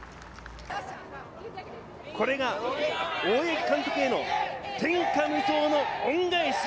これが、大八木監督への天下無双の恩返し。